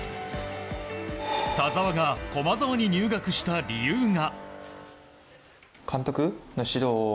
田澤が駒澤に入学した理由が。